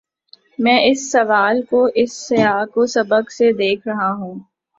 میں اس سوال کو اسی سیاق و سباق میں دیکھ رہا ہوں۔